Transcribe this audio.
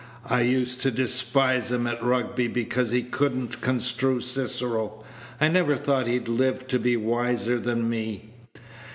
I used to despise him at Rugby because he could n't construe Cicero. I never thought he'd live to be wiser than me."